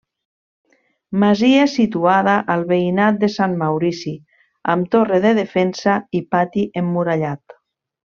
Masia situada al veïnat de Sant Maurici amb torre de defensa i pati emmurallat.